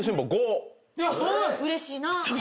うれしいな。